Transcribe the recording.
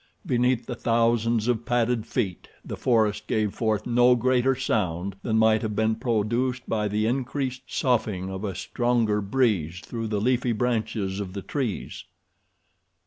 Beneath the thousands of padded feet the forest gave forth no greater sound than might have been produced by the increased soughing of a stronger breeze through the leafy branches of the trees.